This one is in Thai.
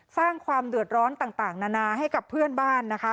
สร้างความเดือดร้อนต่างนานาให้กับเพื่อนบ้านนะคะ